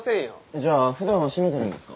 じゃあ普段は閉めてるんですか？